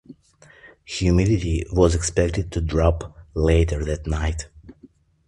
Humidity was expected to drop later that night.